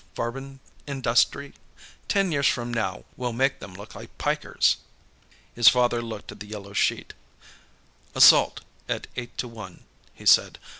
Farbenindustrie_? Ten years from now, we'll make them look like pikers." His father looked at the yellow sheet. "Assault, at eight to one," he said.